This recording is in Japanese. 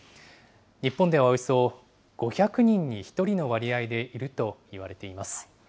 日本ではおよそ５００人に１人の割合でいるといわれています。